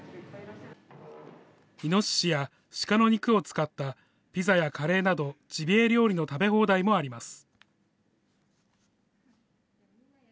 イノシシや鹿の肉を使ったピザやカレーなど、ジビエ料理の食べ放題もあります。